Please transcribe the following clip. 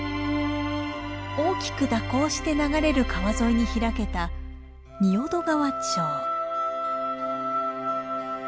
大きく蛇行して流れる川沿いに開けた仁淀川町。